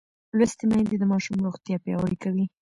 لوستې میندې د ماشوم روغتیا پیاوړې کوي.